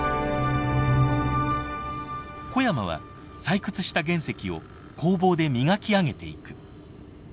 小山は採掘した原石を工房で磨き上げていく。